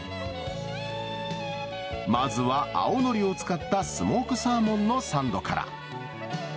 まずは、青のりを使ったスモークサーモンのサンドから。